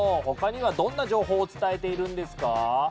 他にはどんな情報を伝えているんですか？